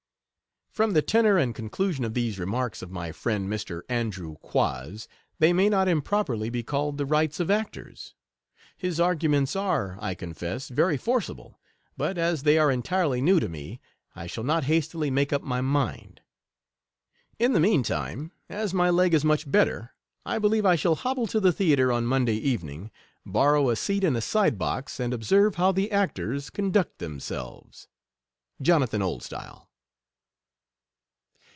From the tenor and conclusion of these remarks of my friend, Mr. Andrew Quoz, they may not improperly be called the " Rights of Actors ;" his arguments are, I confess, very forcible, but, as they are en tirely new to me, I shall not hastily make up my mind. In the mean time, as my leg is much better, I believe I shall hobble to the theatre on Monday evening, borrow a seat in a side box, and observe how the actors conduct themselves. Jonathan Oldstyle.